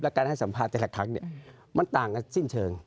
การให้สัมภาษณ์แต่ละครั้งมันต่างกันสิ้นเชิง